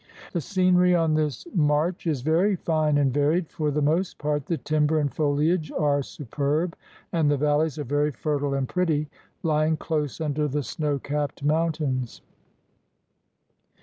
The scenery on this march is very fine and varied; for the most part the timber and foliage are superb, and the valleys are very fertile and pretty, lying close under the snow capped mountains.